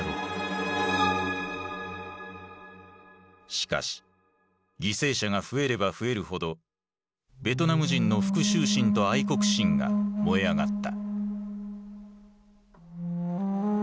しかし犠牲者が増えれば増えるほどベトナム人の復しゅう心と愛国心が燃え上がった。